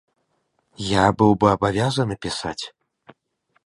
Я быў бы абавязаны пісаць.